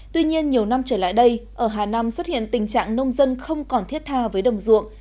tuy nhiên nhiều năm trở lại đây ở hà nam xuất hiện tình trạng nông dân không còn thiết tha với đồng ruộng